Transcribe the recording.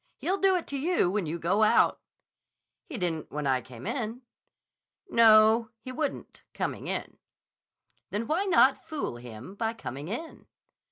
He'll do it to you when you go out." "He didn't when I came in." "No, he wouldn't, coming in." "Then why not fool him by coming in?"